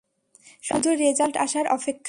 শুধু রেজাল্ট আসার অপেক্ষা!